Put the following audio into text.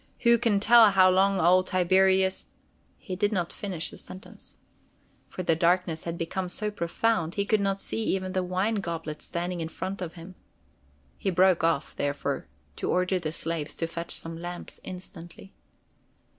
Who can tell how long old Tiberius——" He did not finish the sentence, for the darkness had become so profound he could not see even the wine goblet standing in front of him. He broke off, therefore, to order the slaves to fetch some lamps instantly.